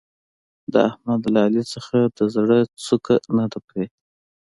د احمد له علي څخه د زړه څوکه نه ده پرې.